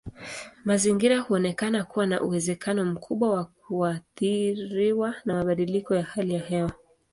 Mazingira huonekana kuwa na uwezekano mkubwa wa kuathiriwa na mabadiliko ya hali ya hewa.